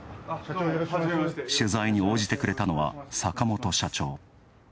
取材に応じてくれたのは、坂元社長。